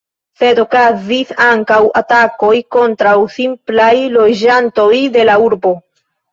Sed okazis ankaŭ atakoj kontraŭ simplaj loĝantoj de la urbo.